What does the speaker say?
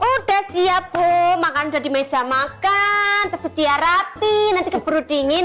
udah siap bu makan udah di meja makan tersedia rapi nanti keburu dingin